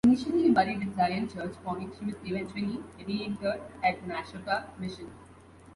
Initially buried at Zion Church point, she was eventually re-interred at Nashotah Mission.